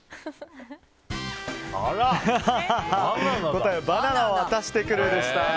答えはバナナを渡してくるでした。